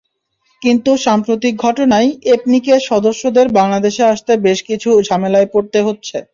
কিন্তু সাম্প্রতিক ঘটনায় এপনিকের সদস্যদের বাংলাদেশে আসতে বেশ কিছু ঝামেলায় পড়তে হচ্ছে।